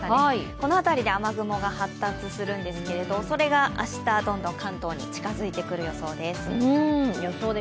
この辺りで、雨雲が発達するんですけど、それが明日どんどん関東に近づいてくる予想です。